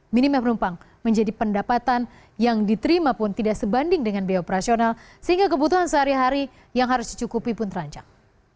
minimum rumpang menjadi pendapatan yang diterima pun tidak sebanding dengan bioperasional sehingga kebutuhan sehari hari yang harus dicukupi pun terancang